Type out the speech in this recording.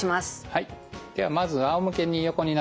はい。